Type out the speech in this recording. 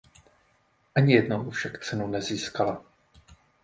Ani jednou však cenu nezískala.